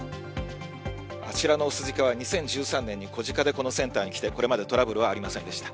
あちらの雄鹿は２０１３年に子鹿でこのセンターに来て、これまでトラブルはありませんでした。